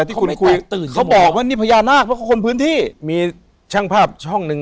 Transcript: ที่คุณคุยตื่นเขาบอกว่านี่พญานาคเพราะเขาคนพื้นที่มีช่างภาพช่องหนึ่ง